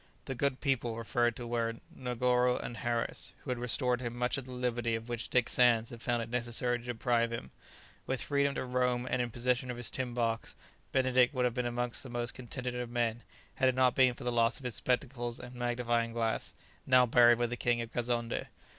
The "good people" referred to were Negoro and Harris, who had restored him much of the liberty of which Dick Sands had found it necessary to deprive him. With freedom to roam and in possession of his tin box, Benedict would have been amongst the most contented of men, had it not been for the loss of his spectacles and magnifying glass, now buried with the King of Kazonndé.